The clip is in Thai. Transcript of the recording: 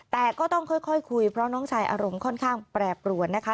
แต่ก็ต้องค่อยคุยเพราะน้องชายอารมณ์ค่อนข้างแปรปรวนนะคะ